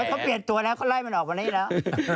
เขาเปลี่ยนตัวแล้วเขาไล่มันออกมาได้แล้ว